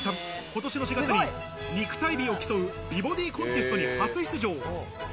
今年の４月に肉体美を競う、美ボディコンテストに初出場。